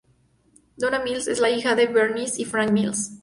Donna Mills es la hija de Bernice y Frank Mills.